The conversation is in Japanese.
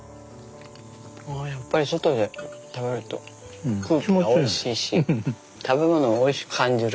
やっぱり外で食べると空気がおいしいし食べ物をおいしく感じる。